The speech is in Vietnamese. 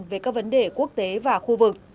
về các vấn đề quốc tế và khu vực